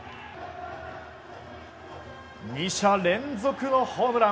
２者連続のホームラン。